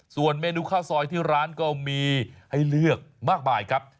ส่วนเมนูข้าวซอยที่ร้านก็มีให้เลือกมากมายครับ